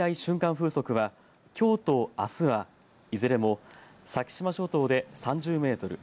風速はきょうとあすは、いずれも先島諸島で３０メートル